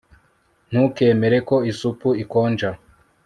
Ntukemere ko isupu ikonja